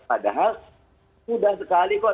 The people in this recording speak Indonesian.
padahal sudah sekali kok